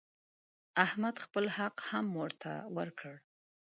احمد خپل حق هم ونه ورکړ.